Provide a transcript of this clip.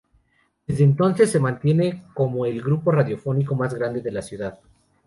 Desde entonces se mantiene como el grupo radiofónico más grande de la ciudad.